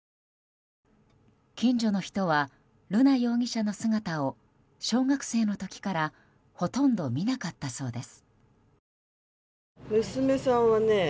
近所の人は、瑠奈容疑者の姿を小学生の時からほとんど見なかったそうです。